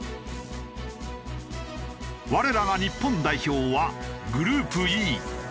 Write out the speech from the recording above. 我らが日本代表はグループＥ。